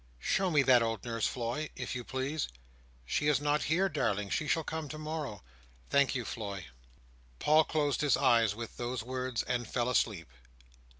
"Show me that old nurse, Floy, if you please!" "She is not here, darling. She shall come to morrow." "Thank you, Floy!" Paul closed his eyes with those words, and fell asleep.